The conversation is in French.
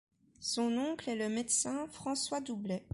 Son oncle est le médecin François Doublet.